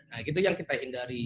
nah itu yang kita hindari